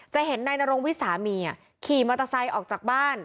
จะเห็นนายนรงวิทย์สามีขี่มอเตอร์ไซค์ออกจากบ้าน